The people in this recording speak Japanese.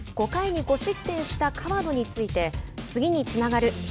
５回に５失点した河野について「次につながる。